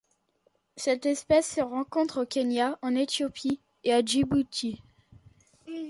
Cette espèce se rencontre au Kenya, en Éthiopie et à Djibouti.